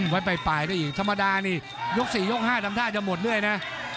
ไว้ปลายได้อีกธรรมดานี่ยก๔ยก๕ทำท่าจะหมดเรื่อยนะ